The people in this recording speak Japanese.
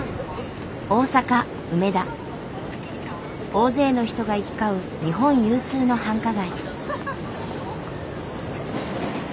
大勢の人が行き交う日本有数の繁華街。